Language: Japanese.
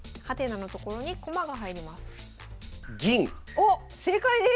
おっ正解です！